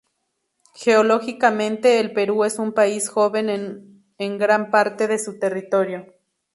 Geológicamente, el Perú es un país joven en gran parte de su territorio.